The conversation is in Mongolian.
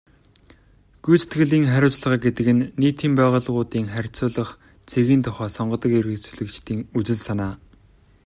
Гүйцэтгэлийн хариуцлага гэдэг нь нийтийн байгууллагуудын харьцуулах цэгийн тухай сонгодог эргэцүүлэгчдийн үзэл санаа.